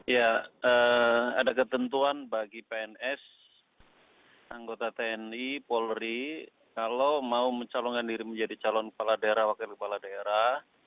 ya ada ketentuan bagi pns anggota tni polri kalau mau mencalonkan diri menjadi calon kepala daerah wakil kepala daerah